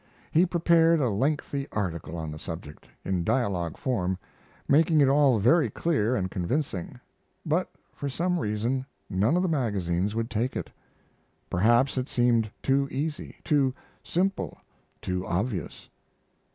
He prepared a lengthy article on the subject, in dialogue form, making it all very clear and convincing, but for some reason none of the magazines would take it. Perhaps it seemed too easy, too simple, too obvious.